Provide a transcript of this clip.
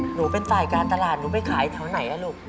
หนูเป็นฝ่ายการตลาดหนูไปขายแถวไหนล่ะลูก